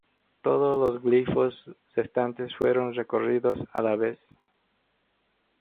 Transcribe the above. Todos los glifos restantes fueron recortados a la vez.